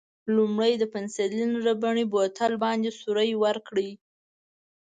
لومړی د پنسیلین ربړي بوتل باندې سوری وکړئ.